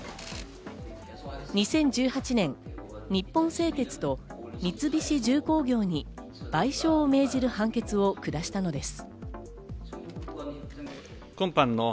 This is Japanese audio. ２０１８年、日本製鉄と三菱重工業に賠償を命じる判決を下したのです。